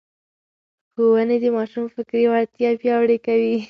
ښوونې د ماشوم فکري وړتیا پياوړې کوي.